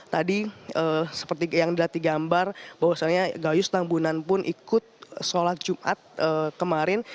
tadi seperti yang dilatih gambar bahwasannya gayus tambunan pun ikut sholat jumat kemarin